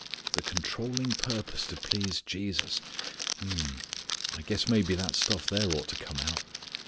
"The controlling purpose to please Jesus ... hm m m, I guess maybe that stuff there ought to come out.